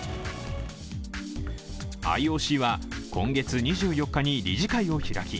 ＩＯＣは今月２４日に理事会を開き、